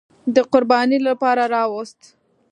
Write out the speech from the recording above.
د قربانۍ لپاره راوست.